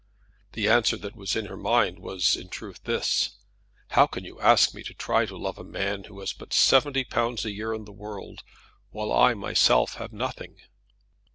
The answer that was in her mind was in truth this: "How can you ask me to try to love a man who has but seventy pounds a year in the world, while I myself have nothing?"